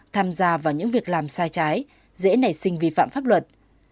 tham gia vào những việc làm sai trái dễ nảy sinh vi phạm pháp luật